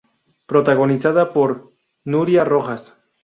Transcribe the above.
Protagonizada por Nuria Rojas.